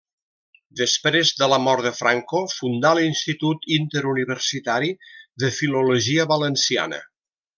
Després de la mort de Franco fundà l'Institut Interuniversitari de Filologia Valenciana.